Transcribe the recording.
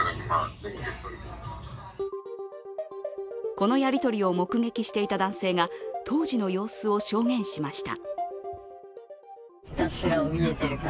このやり取りを目撃していた男性が、当時の様子を証言しました。